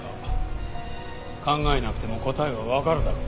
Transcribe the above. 考えなくても答えはわかるだろう。